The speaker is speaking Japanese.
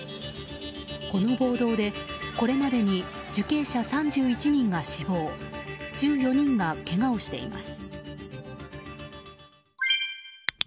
この暴動で、これまでに受刑者３１人が死亡１４人がけがをしています。